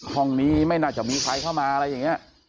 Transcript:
ห้องนี้ไม่น่าจะมีใครเข้ามาอะไรอย่างนี้